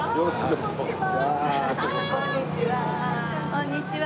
こんにちは。